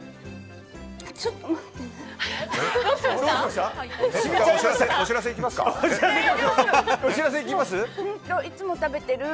ちょっと待ってね。